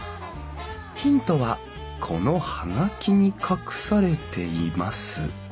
ヒントはこの葉書に隠されています。